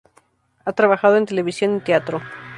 Ha trabajado en televisión y teatro.